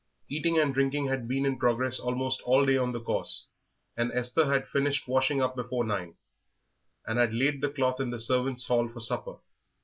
Eating and drinking had been in progress almost all day on the course, and Esther had finished washing up before nine, and had laid the cloth in the servants' hall for supper.